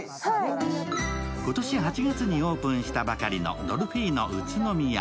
今年８月にオープンしたばかりのドルフィーノ宇都宮。